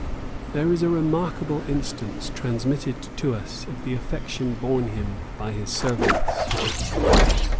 There is a remarkable instance, transmitted to us, of the affection borne him by his servants.